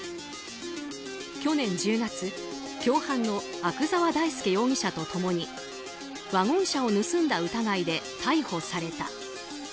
去年１０月、共犯の阿久沢大介容疑者と共にワゴン車を盗んだ疑いで逮捕された。